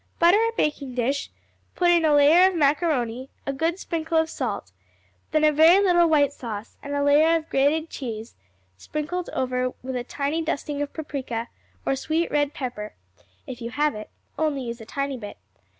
Butter a baking dish, put in a layer of macaroni, a good sprinkle of salt, then a very little white sauce, and a layer of grated cheese, sprinkled over with a tiny dusting of paprika, or sweet red pepper, if you have it; only use a tiny bit.